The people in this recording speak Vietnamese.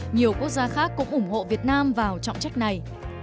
nhiều quốc gia khác cũng ủng hộ việt nam vào trọng trách này